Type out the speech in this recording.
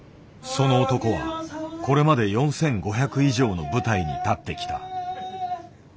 その男はこれまで４５００以上の舞台に立ってきた。